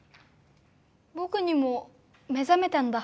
ぼくにも目ざめたんだ。